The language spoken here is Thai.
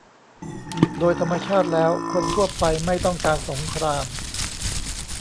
โดยธรรมชาติแล้วคนทั่วไปไม่ต้องการสงคราม